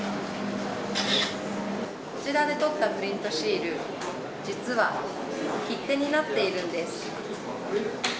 こちらで撮ったプリントシール実は切手になっているんです。